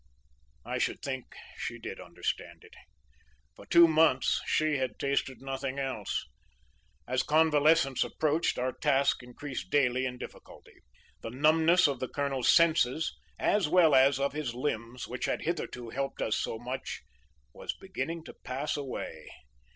'"I should think she did understand it. For two months she had tasted nothing else. As convalescence approached, our task increased daily in difficulty. The numbness of the Colonel's senses, as well as of his limbs, which had hitherto helped us so much, was beginning to pass away.